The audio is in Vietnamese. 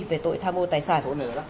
về tội tham ô tài sản